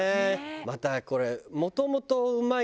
またこれ。